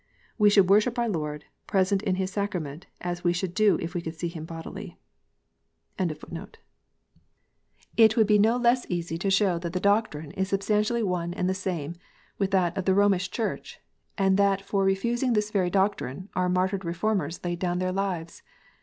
" We should worship our Lord, present in His sacrament, as we should do if we could see Him bodily." THE LORD S SUPPER. doctrine is substantially one and the same with that of the Romish Church, and that for refusing this very doctrine our martyred Reformers laid down their lives.